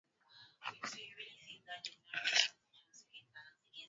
Usijali Mungu anatenda kwa haki